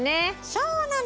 そうなの。